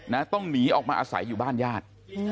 ต้องหนีออกมาอาศัยอยู่บ้านญาติ